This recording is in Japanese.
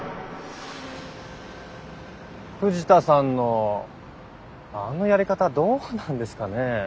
藤田さんのあのやり方はどうなんですかねえ。